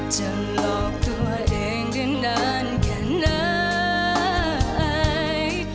จะหลอกตัวเองได้นานแค่ไหน